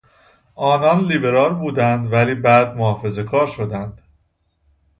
آنان لیبرال بودند ولی بعد محافظه کار شدند.